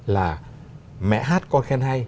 là mẹ hát con khen hay